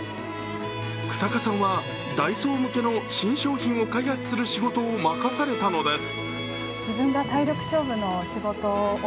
日下さんはダイソー向けの新商品を開発する仕事を任されたのです。